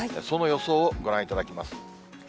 その予想をご覧いただきます。